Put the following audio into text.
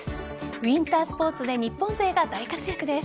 ウインタースポーツで日本勢が大活躍です。